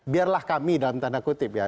biarlah kami dalam tanda kutip ya